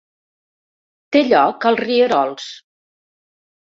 Té lloc als rierols.